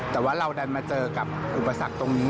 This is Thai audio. แต่ว่าเราดันมาเจอกับอุปสรรคตรงนี้